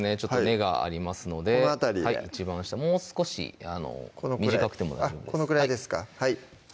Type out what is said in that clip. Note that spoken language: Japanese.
根がありますので一番下もう少し短くても大丈夫ですこのくらいですか？